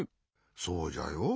そうじゃよ。